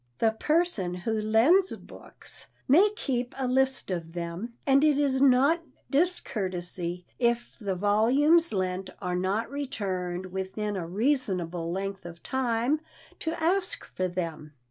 The person who lends books may keep a list of them, and it is not discourtesy if the volumes lent are not returned within a reasonable length of time to ask for them.